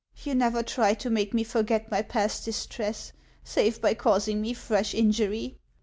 You never tried to make me forget my past distress, save by causing me fresh injury.